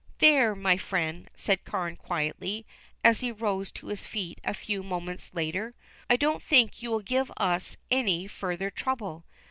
"There, my friend," said Carne quietly, as he rose to his feet a few moments later, "I don't think you will give us any further trouble.